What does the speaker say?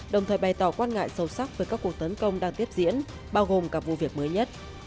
đồng thời bày tỏ quan ngại sâu sắc về các cuộc tấn công đang tiếp diễn bao gồm cả vụ việc mới nhất